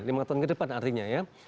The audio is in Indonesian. lima tahun ke depan artinya ya